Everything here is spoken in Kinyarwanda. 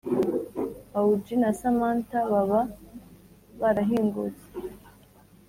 augi na samantha baba barahingutse